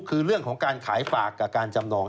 คือเรื่องของการขายฝากกับการจำนอง